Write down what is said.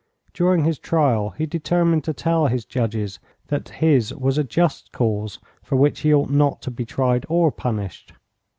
During his trial he determined to tell his judges that his was a just cause, for which he ought not to be tried or punished.